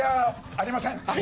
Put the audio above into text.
ありませんおっ！